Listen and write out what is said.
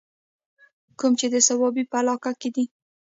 کوم چې د صوابۍ پۀ علاقه کښې دے